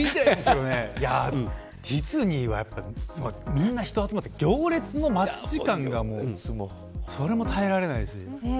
ディズニーは人が集まって行列の待ち時間がそれも耐えられないしね。